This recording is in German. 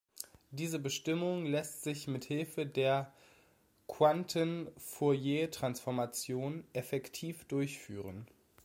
Diese Bestimmung lässt sich mit Hilfe der Quanten-Fouriertransformation effektiv durchführen.